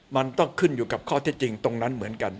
มันต้องขึ้นอยู่กับข้อเท็จจริงตรงนั้นเหมือนกัน